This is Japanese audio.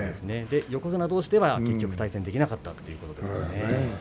横綱としては結局対戦できなかったということですからね。